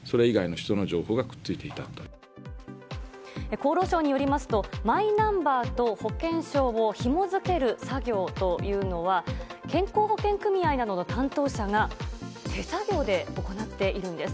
厚労省によりますとマイナンバーと保険証をひもづける作業は健康保険組合などの担当者が手作業で行っているんです。